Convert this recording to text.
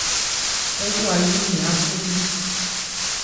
Ɛ́ wa yí yɛn ákhúnmɛ́n.